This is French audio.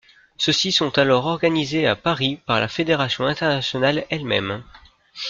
Ceux-ci sont alors organisés à Paris par la fédération internationale elle-même.